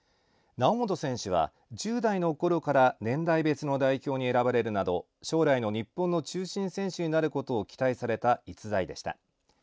猶本選手は１０代のころから年代別の代表に選ばれるなど将来の日本の中心選手になることを期待された逸材でした。